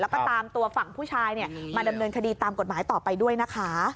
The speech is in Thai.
แล้วก็ตามตัวฝั่งผู้ชายมาดำเนินคดีตามกฎหมายต่อไปด้วยนะคะ